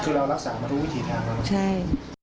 คือเรารักษามาทุกวิธีทางหรือเปล่าครับใช่